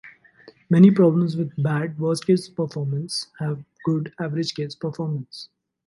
Many problems with bad worst-case performance have good average-case performance.